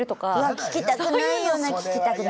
聞きたくないような聞きたくないな。